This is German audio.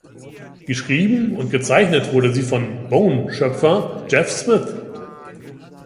Geschrieben und gezeichnet wird sie von "Bone"-Schöpfer Jeff Smith.